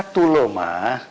tunggu dulu ma